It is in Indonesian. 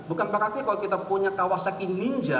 bukan berarti kalau kita punya kawasaki ninja